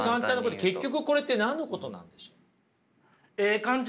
結局これって何のことなんでしょう？